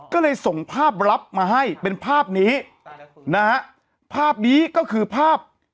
ก็เลยส่งภาพลับมาให้เป็นภาพนี้นะฮะภาพนี้ก็คือภาพ